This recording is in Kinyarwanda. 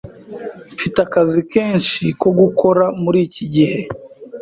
Mfite akazi kenshi ko gukora muri iki gihe.